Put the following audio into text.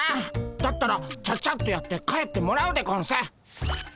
だったらちゃちゃっとやって帰ってもらうでゴンス。